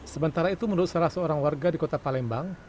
sementara itu menurut salah seorang warga di kota palembang